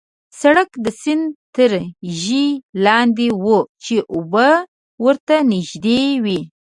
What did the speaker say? سړک د سیند تر ژۍ لاندې وو، چې اوبه ورته نژدې وې.